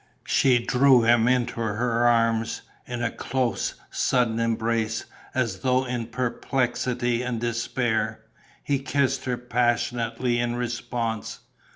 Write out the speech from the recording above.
She drew him into her arms, in a close, sudden embrace, as though in perplexity and despair. He kissed her passionately in response.